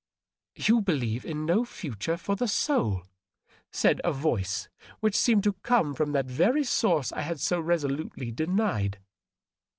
^ You believe in no future for the soul,' said a voice which seemed to come from that very source I had so resolutely denied.